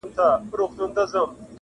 په یوه گوزار یې خوله کړله ورماته -